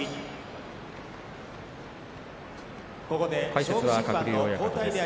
解説は鶴竜親方です。